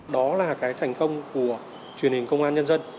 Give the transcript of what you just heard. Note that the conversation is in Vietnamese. đó là cái thành công của truyền hình công an nhân dân